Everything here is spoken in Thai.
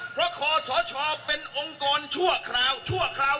เพราะคอสชเป็นองค์กรชั่วคราว